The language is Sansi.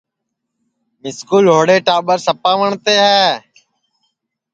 مِسکُو لھوڑے ٹاٻر سپا وٹؔتے ہے